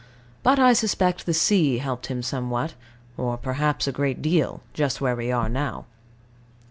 But I suspect the sea helped him somewhat, or perhaps a great deal, just where we are now.